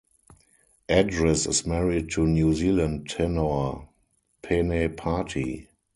Edris is married to New Zealand tenor Pene Pati.